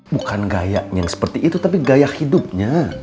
bukan gayanya seperti itu tapi gaya hidupnya